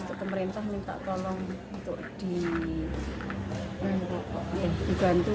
untuk pemerintah minta tolong untuk dibantu